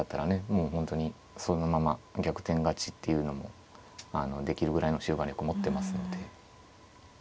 もう本当にそのまま逆転勝ちっていうのもできるぐらいの終盤力を持ってますので。